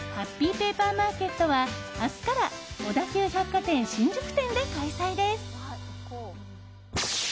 ペーパーマーケットは明日から、小田急百貨店新宿店で開催です。